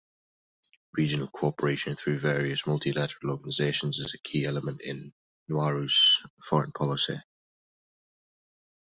Regional cooperation through various multilateral organizations is a key element in Nauru's foreign policy.